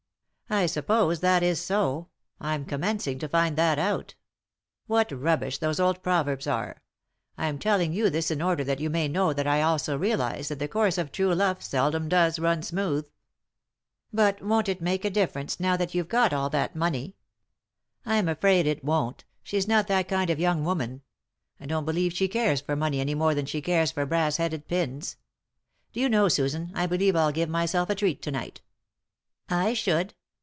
" I suppose that is so ; I'm commencing to find that out What rubbish those old proverbs are ! I'm telling you this in order that you may know that I also realise that the course of true love seldom does run smooth." P «5 3i 9 iii^d by Google THE INTERRUPTED KISS "But won't it make a difference now that you've got all that money ?"" I'm afraid it won't She's not that kind of young woman. I don't believe she cares for money any more than she cares for brass headed pins. Do you know, Susan, I believe I'll give myself a treat to night." "I should."